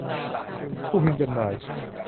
ผู้พิมพ์จำหน่าย